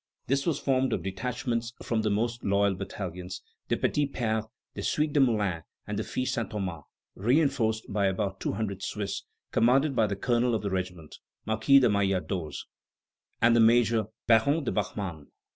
This was formed of detachments from the most loyal battalions, the Petits Pères, the Suite des Moulins, and the Filles Saint Thomas, re enforced by about two hundred Swiss, commanded by the colonel of the regiment, Marquis de Maillardoz, and the major, Baron de Bachmann.